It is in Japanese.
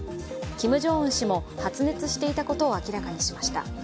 キム・ジョンウン氏も発熱していたことを明らかにしました。